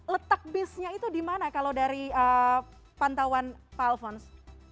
letak bisnya itu di mana kalau dari pantauan pak alfons